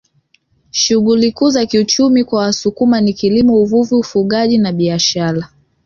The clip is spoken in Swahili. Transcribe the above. Shughuli kuu za kiuchumi kwa Wasukuma ni kilimo uvuvi ufugaji na biashara